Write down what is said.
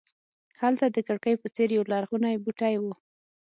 هلته د کړکۍ په څېر یولرغونی بوټی و.